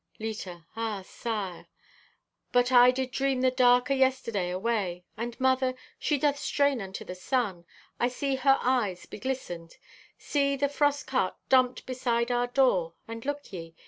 (Leta) "Ah, sire, but I did dream the dark o' yesterday away. And, mother, she doth strain unto the sun! I see her eyes be glistened. See, the frost cart dumped beside our door, and look ye!